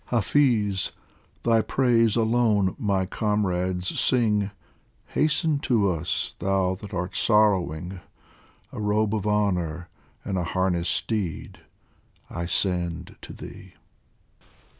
" Hafiz, thy praise alone my comrades sing ; Hasten to us, thou that art sorrowing ! A robe of honour and a harnessed steed I send to thee."